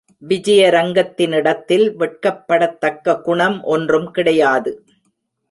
விஜயரங்கத்தினிடத்தில், வெட்கப்படத்தக்க குணம் ஒன்றும் கிடையாது.